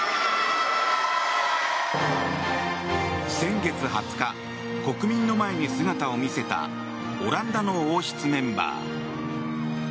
先月２０日国民の前に姿を見せたオランダの王室メンバー。